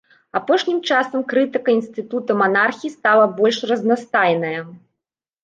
Апошнім часам крытыка інстытуту манархіі стала больш разнастайная.